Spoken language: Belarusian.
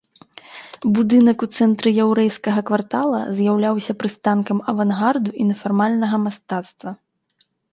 Будынак у цэнтры яўрэйскага квартала з'яўляўся прыстанкам авангарду і нефармальнага мастацтва.